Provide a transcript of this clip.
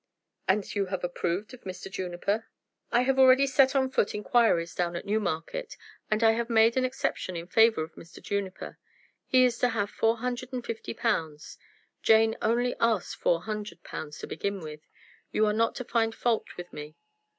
"And you have approved of Mr. Juniper?" "I have already set on foot inquiries down at Newmarket; and I have made an exception in favor of Mr. Juniper. He is to have four hundred and fifty pounds. Jane only asked four hundred pounds to begin with. You are not to find fault with me."